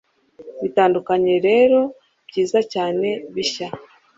Bitandukanye rero byiza cyane bishya